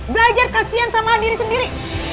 belajar kasian sama diri sendiri